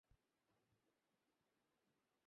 তুমি অতীতে যেতে পার বলে মনে হয়।